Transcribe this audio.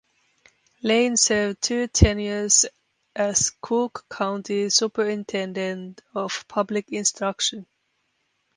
Lane served two tenures as Cook County superintendent of public instruction.